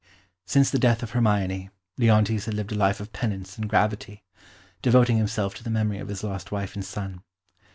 Since the death of Hermione, Leontes had lived a life of penance and gravity, devoting himself to the memory of his lost wife and son.